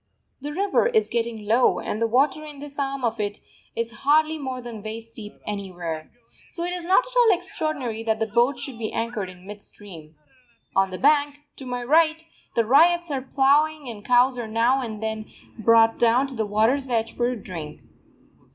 The river is getting low, and the water in this arm of it is hardly more than waist deep anywhere. So it is not at all extraordinary that the boat should be anchored in mid stream. On the bank, to my right, the ryots are ploughing and cows are now and then brought down to the water's edge for a drink.